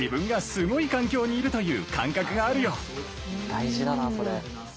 大事だなこれ。